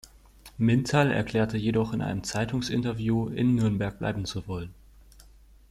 Mintál erklärte jedoch in einem Zeitungsinterview, in Nürnberg bleiben zu wollen.